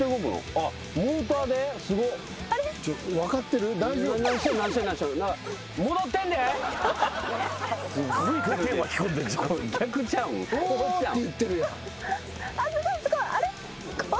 あっすごいすごいあれ？